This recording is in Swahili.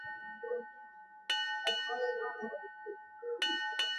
Wanyama wasilishwe mizoga au viungo vya ndani vya kondoo